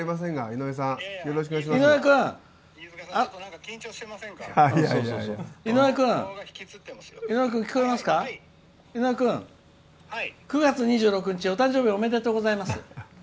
井上君、９月２６日お誕生日おめでとうございます。